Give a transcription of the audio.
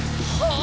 あ！